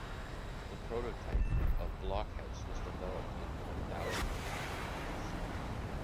The prototype of blockhouse was developed in one thousand and fifties.